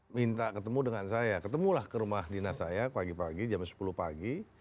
minta ketemu dengan saya ketemulah ke rumah dinas saya pagi pagi jam sepuluh pagi